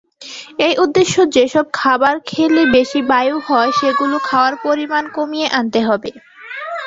এই উদ্দেশ্যে যেসব খাবার খেলে বেশি বায়ু হয় সেগুলো খাওয়ার পরিমাণ কমিয়ে আনতে হবে।